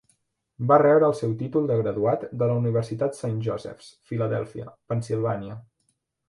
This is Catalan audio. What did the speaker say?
Va rebre el seu títol de graduat de la Universitat Saint Joseph's, Filadèlfia, Pennsilvània.